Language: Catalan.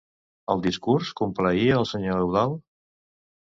El discurs complaïa el senyor Eudald?